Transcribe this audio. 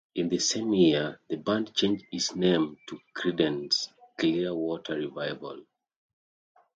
In the same year, the band changed its name to Creedence Clearwater Revival.